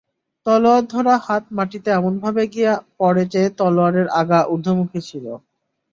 তলোয়ার ধরা হাত মাটিতে এমনভাবে গিয়ে পড়ে যে, তলোয়ারের আগা উর্ধ্বমুখী ছিল।